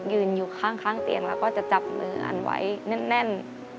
ยืนอยู่ข้างเตียงแล้วก็จะจับมืออันไว้แน่น